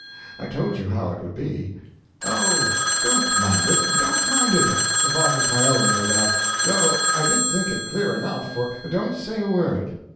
I told you how it would be." "Oh, don't mind it, don't mind it; the fault was my own, no doubt though I did think it clear enough for " "Don't say a word.